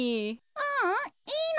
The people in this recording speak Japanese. ううんいいの。